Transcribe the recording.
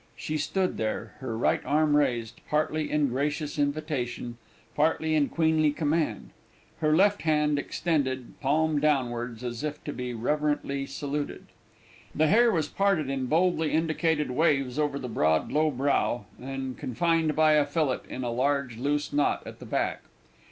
She stood there, her right arm raised, partly in gracious invitation, partly in queenly command, her left hand extended, palm downwards, as if to be reverentially saluted. The hair was parted in boldly indicated waves over the broad low brow, and confined by a fillet in a large loose knot at the back.